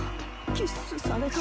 キッスされた。